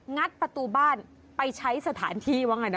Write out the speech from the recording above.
งัดประตูบ้านไปใช้สถานที่ว่าไงนะ